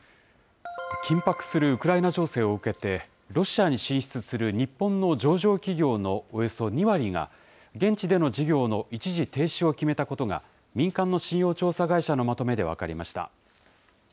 緊迫するウクライナ情勢を受けて、ロシアに進出する日本の上場企業のおよそ２割が、現地での事業の一時停止を決めたことが、民間の信用調査会社のまとめで分かりました。